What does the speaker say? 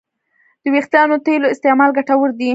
د وېښتیانو تېلو استعمال ګټور دی.